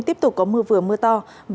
tiếp tục có mưa vừa mưa to